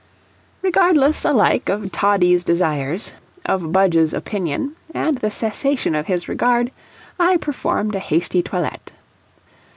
Regardless alike of Toddie's desires, of Budge's opinion, and the cessation of his regard, I performed a hasty toilet.